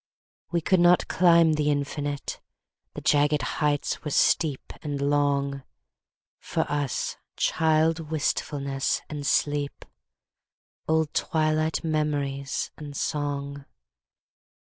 We could not climb the Infinite, The jagged heights were steep and long; For us child wistfulness and sleep—Old twilight memories and song.